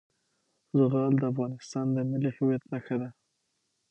زغال د افغانستان د ملي هویت نښه ده.